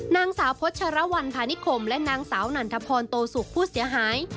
นางสาวพัชรวรรณภานิคมและนางสาวนันทพรโตสุกผู้เสียหาย